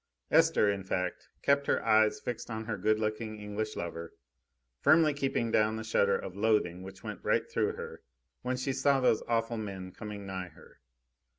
Esther, in fact, kept her eyes fixed on her good looking English lover, firmly keeping down the shudder of loathing which went right through her when she saw those awful men coming nigh her.